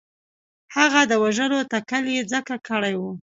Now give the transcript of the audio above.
هغه د وژلو تکل یې ځکه کړی وو.